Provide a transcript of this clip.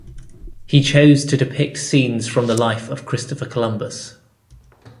He chose to depict scenes from the life of Christopher Columbus.